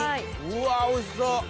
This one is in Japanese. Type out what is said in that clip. うわおいしそう！